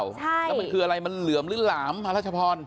ใช่แล้วมันคืออะไรมันเหลือมหรือหลามรัชพร